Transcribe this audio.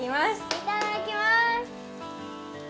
いただきます！